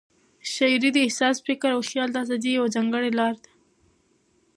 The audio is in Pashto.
شاعري د احساس، فکر او خیال د آزادۍ یوه ځانګړې لار ده.